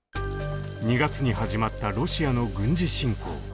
２月に始まったロシアの軍事侵攻。